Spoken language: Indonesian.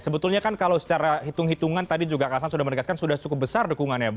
sebetulnya kan kalau secara hitung hitungan tadi juga kak hasan sudah menegaskan sudah cukup besar dukungannya